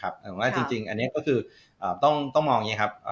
แต่ว่าจริงอันนี้ก็คือต้องมองอย่างนี้ครับ